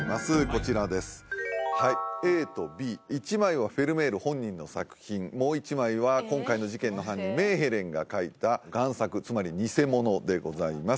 こちらですはいＡとＢ１枚はフェルメール本人の作品もう一枚は今回の事件の犯人メーヘレンが描いた贋作つまり偽物でございます